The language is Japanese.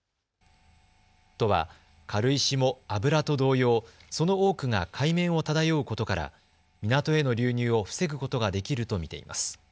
都は軽石も油と同様、その多くが海面を漂うことから港への流入を防ぐことができると見ています。